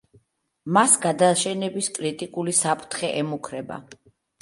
მას გადაშენების კრიტიკული საფრთხე ემუქრება.